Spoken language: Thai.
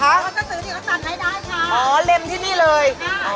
เราจะซื้อนี่ก็ตัดไหนได้ค่ะอ๋อเล่นที่นี่เลย